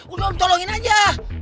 udah om tolongin aja